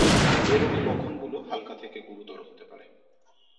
এই রোগের লক্ষণগুলো হালকা থেকে গুরুতর হতে পারে।